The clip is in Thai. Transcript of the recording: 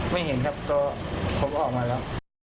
ไม่เห็นครับก็ผมออกมาแล้ว